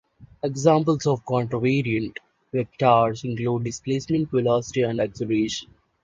Examples of contravariant vectors include displacement, velocity and acceleration.